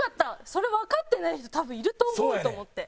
それわかってない人多分いると思うと思って。